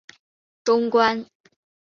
终官礼部侍郎。